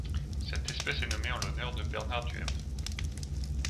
Cette espèce est nommée en l'honneur de Bernard Duhem.